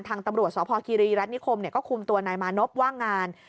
ทางตำรวจสพคีรีรัฐนิคมก็คุมตัวนายมานพว่างงาน